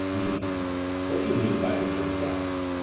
MENO: What do you mean by the word 'right'?